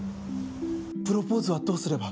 プロポーズはどうすれば？